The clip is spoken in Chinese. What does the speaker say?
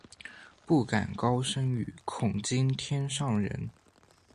不敢高声语，恐惊天上人。